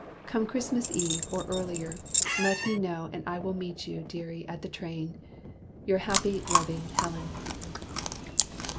Come Christmas Eve, or earlier. Let me know And I will meet you, dearie! at the train. Your happy, loving Helen."